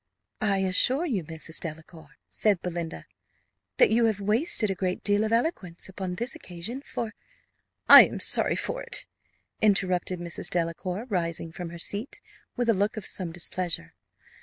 "I assure you, Mrs. Delacour," said Belinda, "that you have wasted a great deal of eloquence upon this occasion, for " "I am sorry for it," interrupted Mrs. Delacour, rising from her seat, with a look of some displeasure.